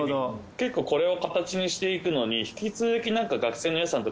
結構これを形にしていくのに。